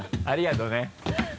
ありがとうね。